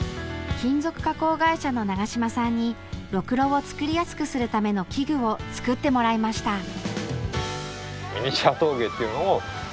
金属加工会社の長島さんにろくろを作りやすくするための器具を作ってもらいました。